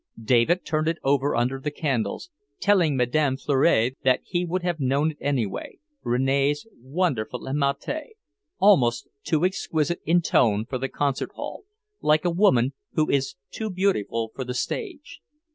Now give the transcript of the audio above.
David turned it over under the candles, telling Madame Fleury that he would have known it anywhere, Rene's wonderful Amati, almost too exquisite in tone for the concert hall, like a woman who is too beautiful for the stage.